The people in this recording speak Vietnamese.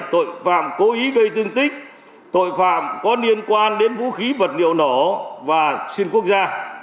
tội phạm cố ý gây thương tích tội phạm có liên quan đến vũ khí vật liệu nổ và xuyên quốc gia